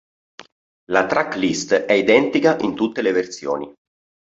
La tracklist è identica in tutte le versioni.